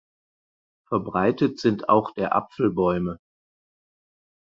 Verbreitet sind auch der Apfelbäume.